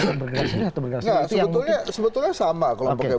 nah sebetulnya sama kelompoknya